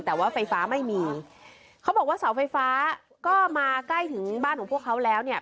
แต่ว่าไฟฟ้าไม่มีเขาบอกว่าเสาไฟฟ้าก็มาใกล้ถึงบ้านของพวกเขาแล้วเนี่ย